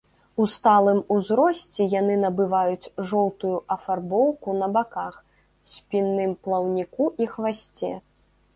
У сталым узросце яны набываюць жоўтую афарбоўку на баках, спінным плаўніку і хвасце.